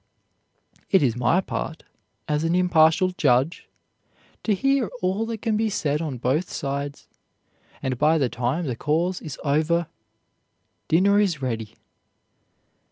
It is my part, as an impartial judge, to hear all that can be said on both sides, and by the time the cause is over dinner is ready."